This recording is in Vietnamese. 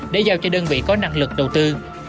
để giao cho đơn vị có năng lực đầu tư